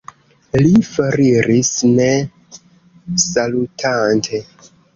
Li foriris, ne salutante.